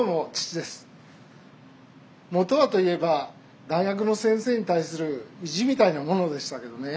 元はと言えば大学の先生に対する意地みたいなものでしたけどね。